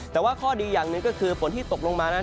แต่ว่าข้อดีอย่างหนึ่งก็คือฝนที่ตกลงมานั้น